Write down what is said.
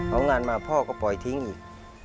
เอางานมาพ่อก็ปล่อยทิ้งอีก